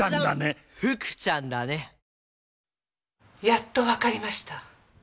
やっとわかりました。